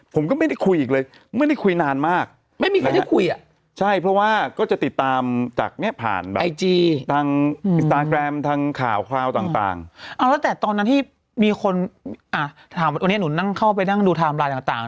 ผมก็ไม่ได้คุยอีกเลยไม่ได้คุยนานมาก